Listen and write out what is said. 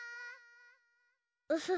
ウフフ。